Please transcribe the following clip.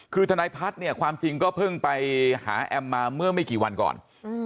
คือทนายพัฒน์เนี่ยความจริงก็เพิ่งไปหาแอมมาเมื่อไม่กี่วันก่อน